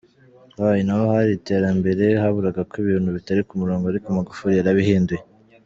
Y: Naho hari iterambere, haburaga ko ibintu bitari ku murongo, ariko Magufuli yarabihinduye.